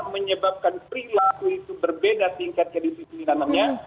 menyebabkan perilaku itu berbeda tingkat kreditisi tanamnya